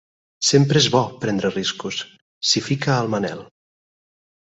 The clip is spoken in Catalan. Sempre és bo, prendre riscos —s'hi fica el Manel—.